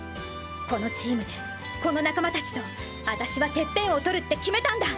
このチームでこの仲間たちと私はテッペンをとるって決めたんだ！